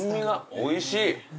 おいしい。